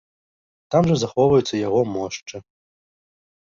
Там жа захоўваюцца і яго мошчы.